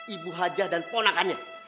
ibu haja dan ponakannya